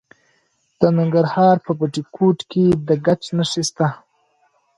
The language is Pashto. د ننګرهار په بټي کوټ کې د ګچ نښې شته.